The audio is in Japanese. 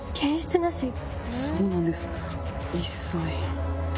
そうなんです一切。